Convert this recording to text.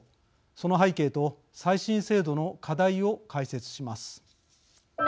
その背景と再審制度の課題を解説します。